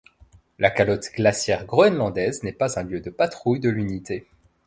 La calotte glaciaire groenlandaise n’est pas un lieu de patrouille de l’unité.